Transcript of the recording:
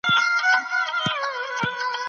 د ټولني خوار او غریب خلګ په مال کي شریک دي.